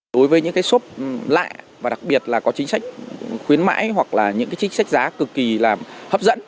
đối với những cái shop lại và đặc biệt là có chính sách khuyến mãi hoặc là những cái chính sách giá cực kỳ là hấp dẫn